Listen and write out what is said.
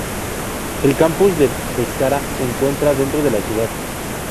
El Campus de Pescara se encuentra dentro de la ciudad.